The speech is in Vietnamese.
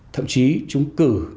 thậm chí chúng cử